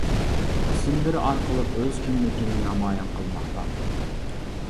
ئىسىملىرى ئارقىلىق ئۆز كىملىكىنى نامايان قىلماقتا.